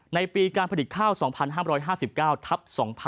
ในปีการผลิตข้าว๒๕๕๙ทับ๒๕๖๒